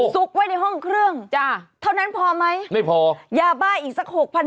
ซุกไว้ในห้องเครื่องจ้ะเท่านั้นพอไหมไม่พอยาบ้าอีกสักหกพัน